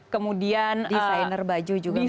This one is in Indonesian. kemudian desainer baju juga bisa